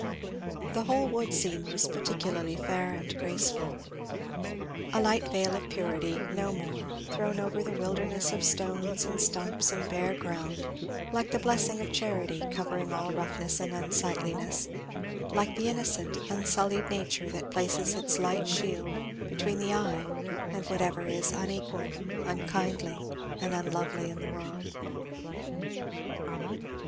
The whole wood scene was particularly fair and graceful. A light veil of purity, no more, thrown over the wilderness of stones and stumps and bare ground, like the blessing of charity, covering all roughnesses and unsightlinesses like the innocent unsullied nature that places its light shield between the eye and whatever is unequal, unkindly, and unlovely in the world.